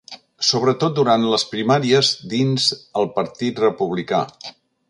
Sobretot durant les primàries dins el partit republicà.